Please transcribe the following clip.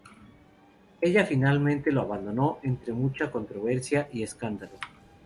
Ella finalmente lo abandonó, entre mucha controversia y escándalo.